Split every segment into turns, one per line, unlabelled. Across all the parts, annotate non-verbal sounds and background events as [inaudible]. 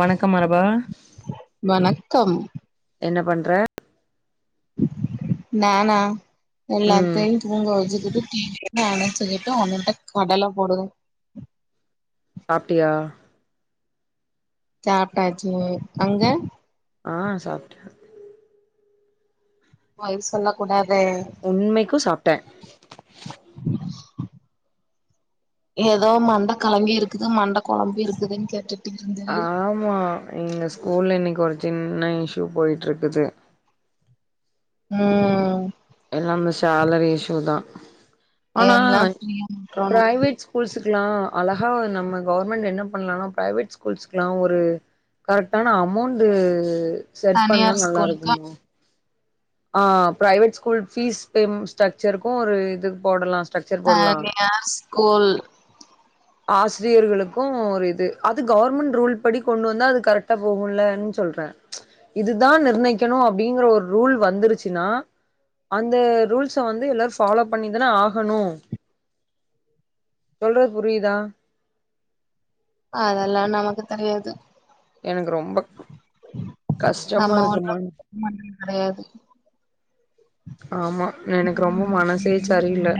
வணக்கம் மலபா
கம்
என்ன பண்ற
நானா
ம்
எல்லாத்தையு தூங்க வச்சுகிட்டு என்ன நெனச்சிகிட்டு ஒன்னுட்ட கடல போடுவே
சாப்டியா
சாப்டாச்சு அங்க
ஆ சாப்டே
பொய் சொல்லக்கூடாது
உண்மைக்கு சாப்ட்டே
ஏதோ மண்ட கலங்கிருக்குது மண்ட கொழம்பிருக்குதுன் கேட்டே
ஆமா எங்க ஸ்கூல்ல இன்னக்கு ஒரு சின்ன இஸ்ஸூ போயிட்ருக்குது
ம்
எல்லா இந்த சேலரி இஷ்ஷுதா ஆனா
எல்லா ஃப்ரீயா விட்றணு
பிரைவேட் ஸ்கூல்ஸ்ரு க்லா அழகா நம்ம கவர்மெண்ட் என்ன பண்லானா பிரைவேட் ஸ்கூல்ஸ்குலா ஒரு கரெக்டான அமௌண்டு செட் பண்ணா
தனியார் ஸ்கூலுக்கு
நல்லாருக்குமோ ஆ பிரைவேட் ஸ்கூல் பீஸ் பேம் ஸ்ட்ரக்சர்க்கும் ஒரு இது போடலா ஸ்ட்ரக்சர்
அ
போடலா
நீங்க ஸ்கூல்
ஆசிரியர்களுக்கும் ஒரு இது அது கவர்மெண்ட் ரூல் படி கொண்டு வந்தா அது கரெக்ட்டா போகுல்லன் சொல்றே இதுதான் நிர்ணயிக்கணும் அப்டிங்கிற ஒரு ரூல் வந்துருச்சுன்னா அந்த ரூல்ஸ வந்து எல்லாரும் ஃபாலோ பண்ணி தான ஆகணும் சொல்றது புரிதா
அதெல்லா நமக்கு தெரியாது
எனக்கு ரொம்ப கஷ்டமா
நம்ம ஒண்ணு
இருக்குமான்
கெடையாது
ஆமா எனக்கு ரொம்ப மனசே சரியில்ல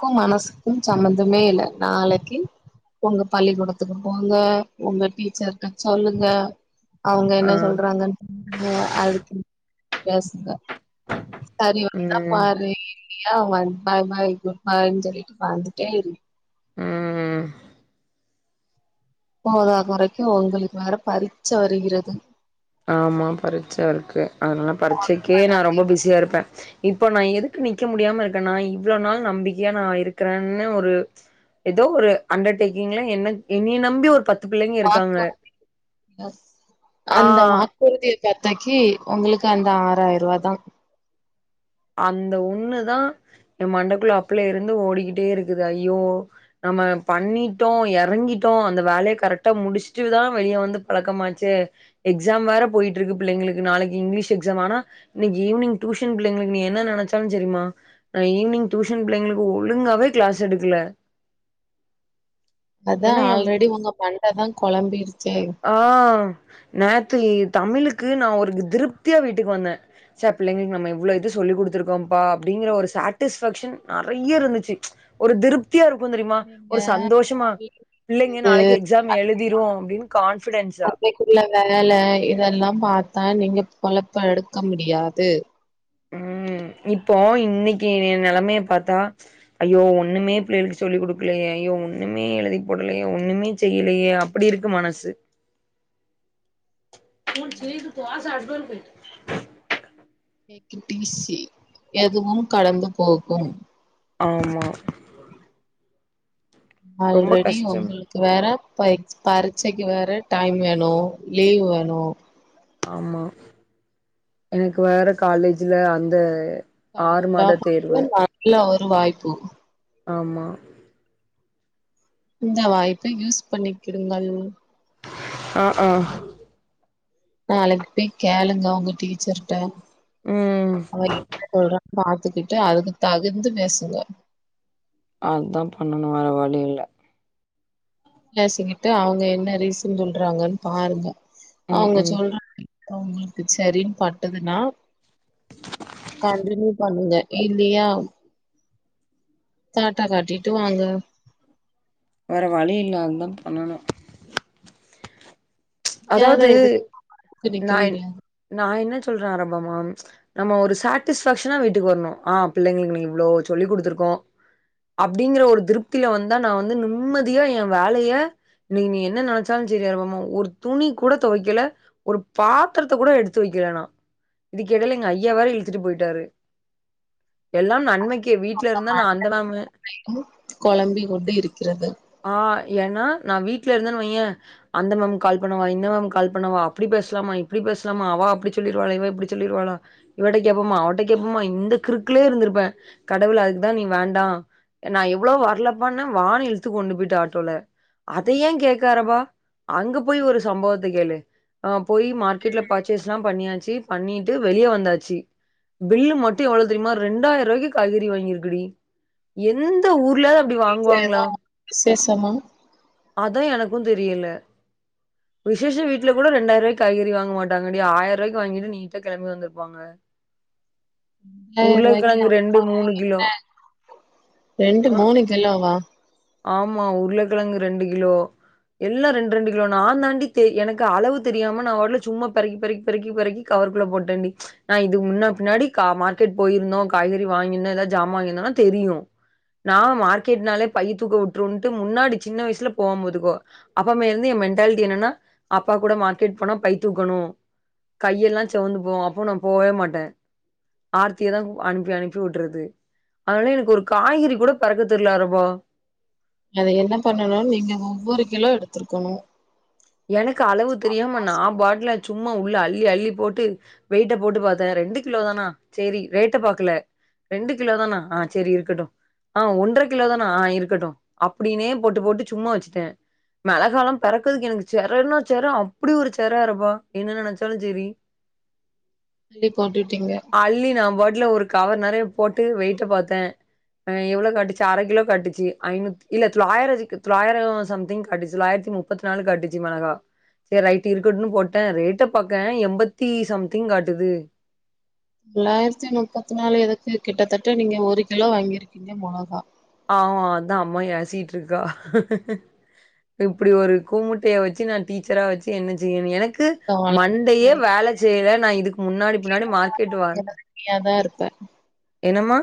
கு மனசுக்கு சம்பந்தமே இல்ல நாளைக்கு ஒங்க பள்ளிக்கூடத்துக்கு போங்க ஒங்க டீச்சர்ட்ட சொல்லுங்க அவங்க
ஆ
என்ன சொல்றாங்கன் கே [inaudible] அதுக்கு [inaudible] பேசுங்க சரி வருதா
ம்
பாரு இல்லையா வந் [unintelligible] பாய் பாய் குட் பாய்னு சொல்லிட்டு வந்துட்டே இரு
ம் ம்
போதா கொறைக்கு ஒங்ளுக்கு வேற பரீட்ச்ச வருகிறது
ஆமா பரீட்ச இருக்கு அதனால பரீட்ச்சைக்கே நா ரொம்ப பிஸியா இருப்பே இப்போ நா எதுக்கு நிக்க முடியாம இருக்கனா இவ்ளோ நாள் நம்பிக்கையா நா இருக்குறன்னு ஒரு எதோ ஒரு அண்டர்டேக்கிங்ல என்ன என்னைய நம்பி ஒரு பத்து பிள்ளைங்க இருக்காங்க
வாக்குறுதி
ஆ
அந்த வாக்குறுதிய பாத்தாக்கி ஒங்களுக்கு அந்த ஆறாயிருவா தா
அந்த ஒன்னு தா ஏ மண்டக்குள்ள அப்புல இருந்து ஓடிக்கிட்டே இருக்குது ஐயோ நம்ம பண்ணிட்டோ எறங்கிட்டோ அந்த வேலைய கரெக்ட்டா முடிச்சுட்டுதா வெளிய வந்து பழக்கமாச்சு எக்ஸாம் வேற போயிட்ருக்கு பிள்ளைங்களுக்கு நாளைக்கு இங்கிலீஷ் எக்ஸாம் ஆனா இன்னைக்கு ஈவினிங் டியூஷன் பிள்ளைங்களுக்கு நீ என்ன நெனச்சாலு சரிமா நா ஈவினிங் டியூஷன் பிள்ளைங்களுக்கு ஒழுங்காவே கிளாஸ் எடுக்கல
அதா
என்ன எம்
ஆல்ரெடி உங்க மண்டதா கொழம்பிருச்சே
ஆ நேத்தி தமிழுக்கு நா ஒரு திருப்தியா வீட்டுக்கு வந்தே ச்ச பிள்ளைங்களுக்கு நம்ம இவ்ளோ இது சொல்லி குடுத்துருக்கோம்ப்பா அப்டிங்ற ஒரு சாட்டிஸ்ஃபாக்ஷன் நறைய இருந்துச்சு ஒரு திருப் த்தியா இருக்கு தெரியுமா ஒரு சந்தோஷமா பிள்ளைங்க
இது
நாளைக்கு எக்ஸாம்
[inaudible]
எழுதிரு அப்டின்னு கான்ஃபிடென்ஸா
அன்னைக்குள்ள வேல இதெல்லா அதான் நீங்க பொழப்ப எடுக்க முடியாது
ம் இப்போ இன்னைக்கி ஏ நெலமய பாத்தா ஐயோ ஒன்னுமே பிள்ளைகளுக்கு சொல்லி குடுக்கலயே யே ஒன்னுமே எழுதி போடலயே ஒன்னுமே செய்யலயே அப்டி இருக்கு மனசு ம் [unintelligible] தோச அடுப்லருக்கு
டேக் இட் ஈசி எதுவு கடந்து போகும்
ஆமா ரொம்ப
ஆல்ரெடி
கஷ்டம்
ஒங்குளுக்கு வேற பைய் பரீட்ச்சைக்கு வேற டைம் வேணு லீவ் வேணு
ஆமா எனக்கு வேற காலேஜ்ல அந்த ஆறு
கடவுளா
மாத
பாத்து
தேர்வு
நல்ல ஒரு வாய்ப்பு
ஆமா
இந்த வாய்ப்ப யூஸ் பண்ணிக்கிடுங்கள்
ஆ ஆ
நாளைக்கு போய் கேளுங்க ஒங்க டீச்சர்ட்ட
ம்
அவ என்ன சொல்றான்னு பாத்துக்கிட்டு அதுக்கு தகுத்து பேசுங்க
அதா பண்ணணு வேற வழி இல்ல
பேசிக்கிட்டு அவங்க என்ன ரீசன் சொல்றாங்கன் பாருங்க
ம்
அவங்க
ம்
சொல்ற ஒங்குளுக்கு செரின் பட்டுதுன்னா கண்டினியூ பண்ணுங்க இல்லியா டாடா காட்டிட்டு வாங்க
வேற வழி இல்ல அதுதா பண்ணணு
முடியாத
அதாவது
இதுக்கு நிக்க
நா
முடியாது
நா என்ன சொல்ற [unintelligible] நம்ம ஒரு சட்டிஸ்ஃபேக்ஷனா வீட்டுக்கு வரணு ஆ பிள்ளைங்களுக்கு இன்னிக்கு இவ்ளோ சொல்லி குடுத்துருக்கோ கோ அப்டிங்கிற ஒரு திருப்தில வந்தா நா வந்து நிம்மதியா ஏ வேலைய நீங்க என்ன நெனச்சாலு செரி நம ஒரு துணி கூட தொவைக்கல ஒரு பாத்தரத்த கோட எடுத்து வைக்கல நா இதுக்கெடைல எங்க ஐயா வேற இழுத்துட்டு போய்ட்டாரு எல்லாம் நன்மைக்கே வீட்ல இருந்தா நா அந்த நாப
கொழம்பி கொண்டு இருக்கிறது
ஏனா நா வீட்ல இருந்தன் வையே அந்த மெம் கால் பண்ணவா இந்த மேம்க்கு கால் பண்ணவா அப்டி பேசலாமா இப்டி பேசலாமா அவா அப்பிடி சொல்லிருவாள இவ இப்பிடி சொல்லிருவாளா இவட்ட கேப்பமா அவட்ட கேப்போமா இந்த கிறுக்கலயே இருந்திருப்ப கடவுள் அதுக்குதா நீ வேண்டா நா எவ்ளோ வர்லப்பான வானு இழுத்து கொண்டு போய்ட்டா ஆட்டோல அத ஏ கேக்காரபா அங்க போய் ஒரு சம்பவத்த கேளு அங் போயி மார்க்கெட்ல பர்ச்சேஸ்லா பண்ணியாச்சு பண்ணிட்டு வெளிய வந்தாச்சு பில்லு மட்டு எவ்ள தெரியுமா ரண்டாயிருவாய்க்கு காய்கறி வாங்கிருக்குடி எந்த ஊர் து அப்டி
வீட்ல ஏதோ
வாங்குவாங்ளா
விசேஷமா
அதா எனக்கு தெரியல விசேஷ வீட்ல கூட ரெண்டாயிருவாய்க் காய்கறி வாங்க மாட்டாங்காடி ஆயருவாய்க்கு வாங்கிட்டு நீட்டா கெளம்பி வந்துருப்பாங்க
ரெண்டாயிரம் ரூபாய்க்கு
உருளக்கெழங்கு ரெண்டு
அப்பா
மூனு கிலோ
என்ன ரெண்டு
அ
மூணு கிலோவா
ஆமா உருள கிழங்கு ரெண்டு கிலோ எல்லா ரெண்ரெண்டு நாந்தாண்டி தெ எனக்கு அளவு தெரியாம நா வாட்ல சும்மா பெரக்கி பெரக்கி பெரக்கி பெரக்கி கவர்குள்ள போட்டேண்டி நா இதுக்கு முன்னா பின்னாடி கா மார்க்கெட் போயிருந்தோ காய்கறி வாங்கிருந்தோ ஏதா ஜாமா வாங்கிந்தோனா தெரியு நா மார்க்கெட்னாலே பைய தூக்க வுட்டுருன்ட்டு முன்னாடி சின்ன வயசுல போவம் பாத்துக்கோ அப்ப வந் து எ மென்ட்டாலிட்டி என்னனா அப்பா கூட மார்க்கெட் போனா பை தூக்கணு கையெல்லா செவந்து போவு அப்ப நா போவே மாட்ட ஆர்த்தியதா அனுப்பி அனுப்பி விடறது அதனால எனக்கு ஒரு காய்கறி கூட பெறக்க தெர்ல ரபா
அது என்ன பண்ணணு நீங்க ஒவ்வொரு கிலோ எடுத்ருக்கணு
எனக்கு அளவு தெரியாம நாம் பாட்ல சும்மா உள்ள அள்ளி அள்ளி போட்டு வெய்ட்ட போட்டு பாத்த ரெண்டு கிலோ தானா சேரி ரேட்ட பாக்குல ரெண்டு கிலோ தானா ஆ சேரி இருக்கட்டு ஆ ஒன்ற கிலோதானா ஆ இருக்கட்டு அப்டினே போட்டு போட்டு சும்மா வச்சுட்ட மெளகாலா பெறக்றதுக்கு எனக்கு செரன்னா செர அப்டி ஒரு செர அரபா என்ன நெனைச்சாலு செரி
தள்ளி போட்டுட்டீங்க
அள்ளி நாம்பாட்ல ஒரு கவர் நறைய போட்டு வெய்ட்ட பாத்த அ எவ்ள காட்டுச்சு அர கிலோ காட்டுச்சு ஐநூத் இல்ல தொளாயிர இருக்கு தொளாயர சம்திங் காட்டுச் தொளாயிர தி முப்பத் நாலு காட்டுச்சு மெளகா சேர் ரைட்டு இருக்கட்டுன் போட்டே ரேட்ட பாக்கே எம்பத்தி சம்திங் காட்டுது
தொளாயிரத்தி முப்பத் நாலு எதுக்கு கிட்டத்தட்ட நீங்க ஒரு கிலோ வாங்கிருக்கிங்க மொளகா
ஆமா அதா அம்மா ஏசிட்ருக்கா இப்பிடி ஒரு கூமுட்டய வச்சு நா டீச்சரா வச்சு என்ன செய்யன் எனக் கு
அழகா
மண்டையே வேல செய்ல நா இதுக்கு முன்னாடி பின்னாடி மார்க்கெட் வந்
நீயா தான் இருப்ப.
என்னமா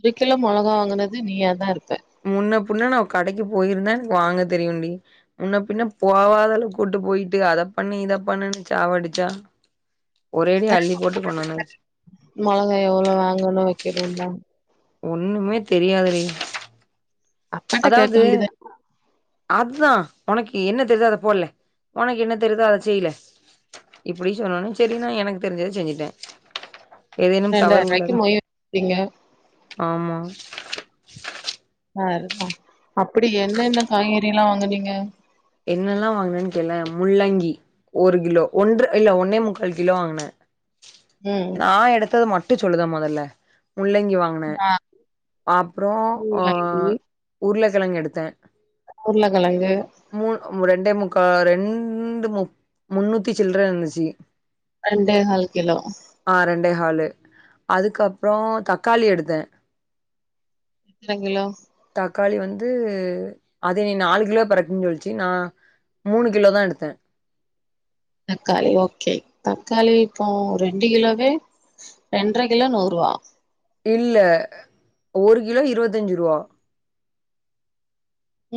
ஒரு கிலோ மொளகா வாங்குனது நீயா தா இருப்ப
முன்ன பின்ன நா கடைக்கு போயிருந்தா எனக்கு வாங்க தெரியுண்டி முன்ன பின்ன போவாதள கூட் டு போயிட்டு அத பண்ணு இத பண்ணுன் சாவடிச்சா ஒரேடி அள்ளி போட்டு கொண்டு வந்தாச்சு
மொளகா எவ்ள வாங்கனு வெக்கணுன் லா
ஒண்ணுமே தெரியாது டி
அப்பாட்ட கேட்க
அதாவுது
வேண்டியது தான.
அதா ஒனக்கு என்ன தெரிதோ அத போடுலே ஒனக்கு என்ன தெரிதோ அதை செய்லே இப்டி சொன்னனோ சரி நா எனக்கு தெரிஞ்சத செஞ்சுட்டே
ரூ.
ஏதேனும் தவறு உள்ளதா
மொய் வச்சிருக்கீங்க.
ஆமா
செர்தா அப்டி என்னென்ன காய்கறில்லா வாங்குனீங்க
என்னல்லா வாங்னன்னு கேலே முள்ளங்கி ஒரு கிலோ ஒன்ற இல்ல ஒன்னே முக்கால் கிலோ வாங்கினே
ம்.
நா எடுத்தது மட்டு சொல்லுத மொதல்ல முள்ளங்கி வாங்கினே
ஆ
அப்றோ அ
முள்ளங்கி,
உருளக்கெழங்கு எடுத்த
உருளக்கெழங்கு
மூ ரெண்டே முக்கா ரெண்டு முக் முன்னூத்தி சில்லர இருந்துச்சு
ரெண்டே கால் கிலோ
ஆ ரெண்டே காலு அதுக்கப்றோ தக்காளி எடுத்த
எத்தன கிலோ
தக்காளி வந்து அது நீ நாலு கிலோ பறக்குன்னு சொல்லிச்சு நா மூணு கிலோதா எடுத்த
தக்காளி ஓகே தக்காளி இப்போ ரெண்டு கிலோவே ரெண்டர கிலோ நூறு ருவா
இல்ல ஒரு கிலோ இருவத்தஞ்சு ருவா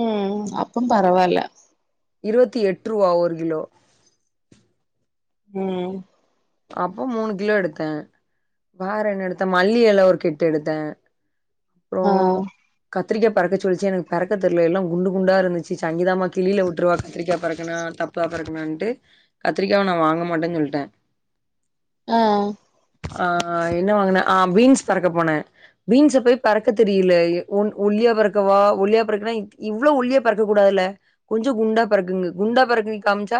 ம் அப்போ பரவல்ல
இருவத்தி எட்டு ருவா ஒரு கிலோ
ம்
அப்போ மூணு கிலோ எடுத்த வேற என்ன எடுத்த மல்லி இல ஒரு கெட்டு எடுத்த
அ
கத்தரிக்கா பெறக்க சொல்லுச்சு எனக்கு பெறக்க தெர்ல எல்லா குண்டு குண்டா இருந்துச்சு சங்கீதாம்மா கிழியில விட்டுருவா கத்திரிக்கா பெறக்கன தப் தப்பா பெறக்கணான்டு கத்திரிக்காயாவ நா வாங்க மாட்டேன்னு சொல்ட்டே
அ
அ என்ன வாங்கின அ பீன்ஸ் பெறக்க போனே பீன்ஸ் போய் பெறக்க தெரியல ஒன் ஒல்லியா ஒல்லியா பறக்கவா ஒல்லியா பறக்கா இவ்ளோ ஒல்லியா பறக்க கூடாதுல கொஞ்சோ குண்டா பறக்குங்கு குண்டா பறக் டா காமிச்சா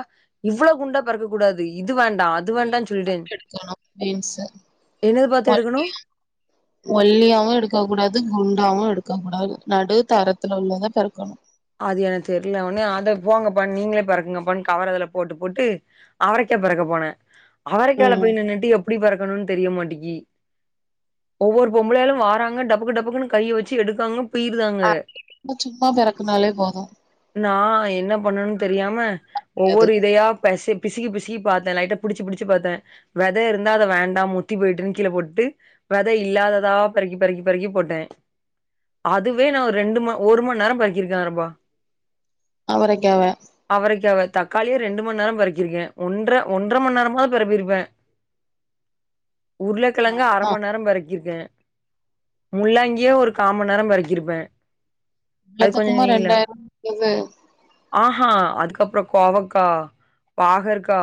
இவ்ளோ குண்டா பெறக்கக்க கூடாது இது வேண்டா அது வேண்டா சொல்
பாத்து எடுக்கோணு பீன்ஸ்சு
என்னது பாத்து எடுக்கணு
ஒல்லிய ஒல்லியாவு எடுக்க கூடாது குண்டாவு எடுக்க கூடாது நடு தரத்துல உள்ளத தா பெறக்கணு
அது எனக்கு தெர்ல ஒடனே அது நீங்க போங்கப்பா நீங்களே அதுல பெறக்குங்கப்பான்னு கவர அதிலேயே போட்டு போட்டு அவரக்கா க்கா பெறக்க போனே அவரக்காய்ல
ம்
போய் நின்னுட்டு எப்டி பெறக்கணு தெரிய மாட்டிக்கி ஒவ்வொரு பொம்பளயாளு வாறாங்க டபக்கு டபக்குன்னு கையை வெச்சு எடுக்காங்க பீறுதாங்க
அ நம்ம சும்மா பெறக்குனாலே போது
நா என்ன பண்ணணுனு தெரியாம
அது
ஒவ்வொரு இதயா பெசைக் பிசிகி பிசிகி பாத்தே லைட்டா புடிச்சு புடிச்சு பாத்தே வெத இருந்தா அத வேண்டா முத்தி போய்ட்டுன்னு கீழே போட்டு வெத இல்லாததா பெறக்கி பெறக்கி பெறக்கி போட்டே அதுவே நா ஒர் ரெண்டு ம ஒரு மணி நேரோ பெக்கிருக்கே ரம்பா
அவரக்காவ
தக்காளியே ரெண்டு மணி நேர பெறக்கிருக்கே ஒன்ற ஒன்றரை மணி நேரமாவது பெறப்பிருப்ப உருளக்கெழங்கு அர
அதுதா
மண் நேர பெறக்கி ருக்கே முள்ளாங்கியே ஒரு காமன் நேர பெறக்கிருப்ப
எல்லாத்துக்குமா ரெண்டாயிரம் வந்துது
ஆஹா அதுக்கப்றோ கோவக்கா பாகற்கா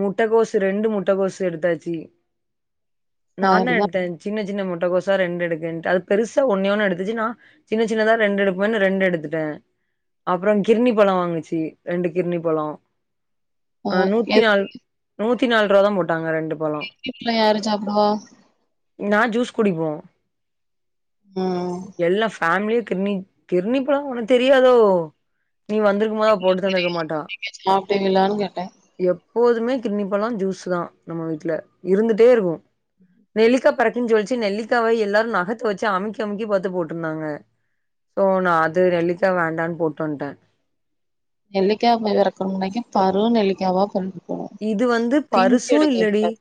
முட்டகோசு ரெண்டு முட்டகோசு எடுத்தாச்சு நா தா
அதுதா
எடுத்த சின்ன சின்ன முட் முட்டகோசா ரெண்டு எடுக்க அது பெருசா ஒன்னே ஒன்னு எடுத்துச்சு நா சின்ன சின்னதா ரெண்டு எடுப்போம்ன்னு ரெண்டு எடு எடுத்துட்டே அப்றோ கிரிணி பழோ வாங்குச்சு ரெண்டு கிரிணி பழோ ஆ நூத்தி நால்
[unintelligible]
நூத்தி நாலு ருவா தா போட்டாங்க ரெண்டு பழோ
வீட்ல யாரு சாப்டுவா
ன்னா ஜூஸ் குடிப்போ
ம்
ஃபேம்லிய கிர்ணி கிர்ணிப்பழோ உனக் தெரியாதோ நீ வந்திருக்கும்போத் அவ போட்டுத்தந்துருக்க மாட்டா
சாப்டுவீங்களான்னு கேட்டே
எப் போதுமே கிர்ணி பழோ ஜூஸு தா நம்ம வீட்ல இருந்துட்டே இருக்கு நெல்லிக்காப் பெறக்கின் சொல்ச்சு நெல்லிக்காவ எல்லாரு நகத்த வச்சு அமுக்கி அமுக்கி பத்து போட்ருந்தாங்க சோ நா து நெல்லிக்கா வேண்டான் போட்டு வன்டே
நெல்லிக்காவ் வெறக்கற்றன்னைக்கி பரு நெல்லிக்காவா [unintelligible]
இது வந்து
பிஞ்சு
பருசு
எடுக்க
இல்லடி
கூடாது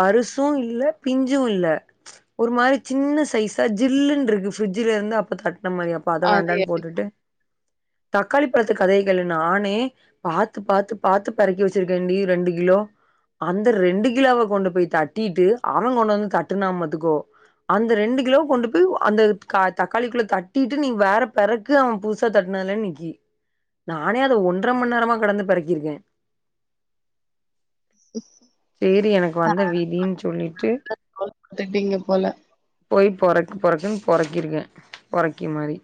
பருசு இல்ல பிஞ்சு இல்ல ஒரு மாரி சின்ன சைஸா ஜில்லுன்ட்ருக்கு ஃப்ரிட்ஜுல இருந்து அப்ப தட் அந்த மாரி அப்ப அத
அது
வேண்டான் போட்டுட்டு தக்காளி பழத்த கதைய கேளு நானே பாத்து பாத்து பாத்து பெறக்கி வெச்சி ரெண்டி ரெண்டு கிலோ அந்த ரெண்டு கிலாவ கொண்டு போய் தட்டிட்டு அவ கொண்டு வந்து தட்டுனா பாத்துக்கோ அந்த ரெண்டு கிலோவ கொண்டு போய் அந்த த தக்காளிக்குள்ள தட்டிட்டு நீ வேற பெறக்கு அவ புதுசா தட் னால நிக்கி நானே அத ஒன்ற்ர மண் நேரமா கடந்து பெறக்கிருக்கே சேரி எனக்கு வந்த
எடுத்துட்டீங்க
விதின் சொல்லிட்டு
இல்ல போல
போய் பொறக்கு பொறக்குன் பொறக்கிருக்கே பொறக்கி மாரி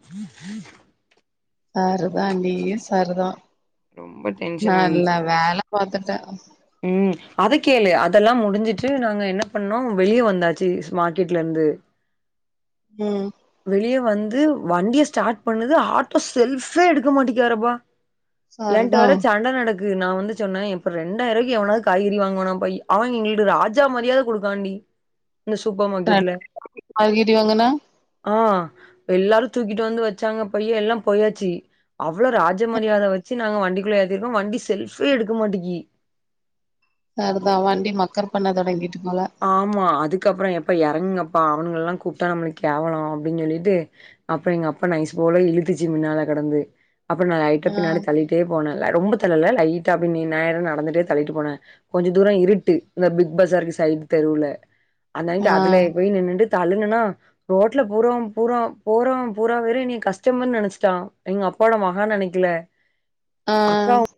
சருதான் டீ சருதா
ரொம்ப டென்ஷனா இந்ச்சு
பாத்துட்டே
ம் அத கேளு அ அதெல்லா முடிஞ்சிட்டு நாங்க என்ன பண்ணோ வெளிய வந்தாச்சு மார்க்கெட்லர்ந்து
ம்
வெளிய வந் து வண்டிய ஸ்டாட் பண்ணது ஆட்டோ செல்ஃபே எடுக்க மாட்டீகாரப்பா எண்ட
சரிதா
வேற சண்ட நட க்கு நா வந்து சொன்ன ஏப்ப ரெண்டாய்ருவாய்க்கு எவனாவ்த் காய்கறி வாங்குவானாபா அவ எங்களுக்கு ராஜா மரியாத குடுக்காண்டி இந்த சூப்ப மார்க்கெட்ல
காய்கறி வாங்குனா
அ எல்லாரு தூக்கிட்டு வந்து வெச்சாங்க பைய எல்லாம் போயாச்சு அவ்ளோ ராஜமரியாத வ சி நாங்க வண்டிக்குள்ள ஏத்திர்க்கோ வண்டி செல்ஃப்பே எடுக்க மாட்டீக்கி
சருதா வண்டி மக்கார் பண்ண தொடங்கிட்டு போல
ஆமா அதுக்கப்ற எப்ப எறங்குகப்பா அவ்னுங்லெல்லா கூப்ட்டா நம்ளுக் கேவலோ அப்டின் சொல்லிட்டு அப்பற எங்க அப்பா நைஸ் போல இழுத்துச்சு முன்னால கெடந்து அப்ற நா லைட்டா
ஆ
பின்னாடி தள்ளிட்டே போனே ல ரொம்ப தள்ளல தள்ளிட்டு அப் நின் நேரா நடந்துட்டே தள்ளிட்டு போன கொஞ்ச தூர இருட்டு இந்த பிக் பஸாருக்கு சைடு தெருல அந்தனைக்கு
ஆ
அதுல போய் நின்னுட்டு தள்ளுனனா ரோட்ல பூராம் பூரா போறம் பூராபேரு என்னய கஷ்டமர்ன் நெனச்சுட்டா எங்க அ ப்பா வோட மக நெனைக்கில
அ